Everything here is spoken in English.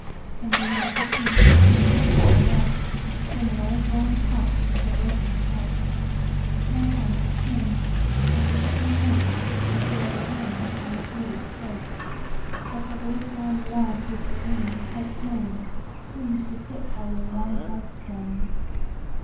And you made the tea, and you poured it out From an old brown pot with a broken spout "Now, times have changed. And your footman waits With the silver urn, and the fluted plates. But the little blind Love with the wings, has flown, Who used to sit by your warm hearth stone."